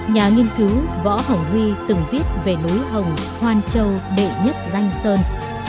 nhà nghiên cứu võ hồng huy từng viết về núi hồng hoan châu đệ nhất danh sơn